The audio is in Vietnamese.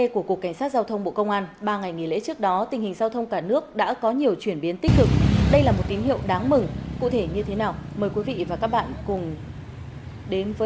các vụ tai nạn giao thông chủ yếu xảy ra trên đường bộ